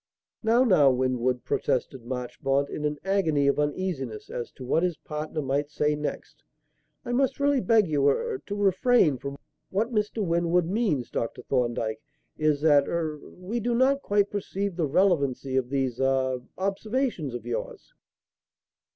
"Now, now, Winwood," protested Marchmont in an agony of uneasiness as to what his partner might say next, "I must really beg you er to refrain from what Mr. Winwood means, Dr. Thorndyke, is that er we do not quite perceive the relevancy of these ah observations of yours."